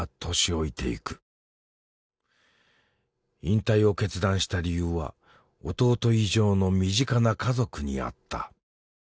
引退を決断した理由は弟以上の身近な家族にあった。